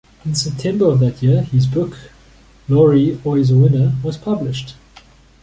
In September of that year, his book, "Laurie: Always a Winner" was published.